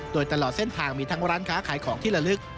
โดยตลอดเส้นทางมีทั้งร้านค้าขายของที่ละลึก